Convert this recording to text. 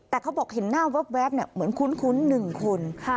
แต่เขาบอกเห็นหน้าแว๊บแว๊บเนี่ยเหมือนคุ้นคุ้นหนึ่งคนค่ะ